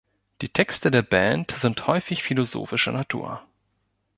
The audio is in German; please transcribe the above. Die Texte der Band sind häufig philosophischer Natur.